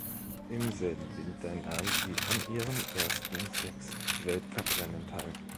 Im selben Winter nahm sie an ihren ersten sechs Weltcuprennen teil.